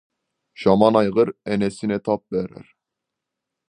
Жаман айғыр енесіне тап берер.